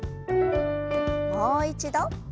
もう一度。